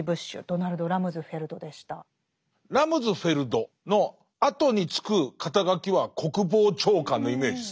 ラムズフェルドのあとに付く肩書は「国防長官」のイメージですね。